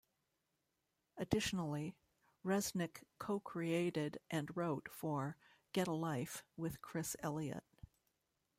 Additionally, Resnick co-created and wrote for "Get A Life" with Chris Elliott.